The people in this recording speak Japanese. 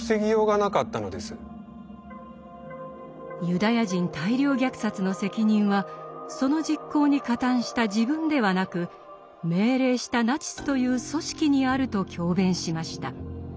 ユダヤ人大量虐殺の責任はその実行に加担した自分ではなく命令したナチスという組織にあると強弁しました。